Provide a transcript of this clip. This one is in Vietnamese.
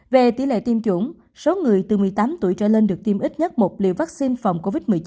về tỷ lệ tiêm chủng số người từ một mươi tám tuổi trở lên được tiêm ít nhất một liều vaccine phòng covid một mươi chín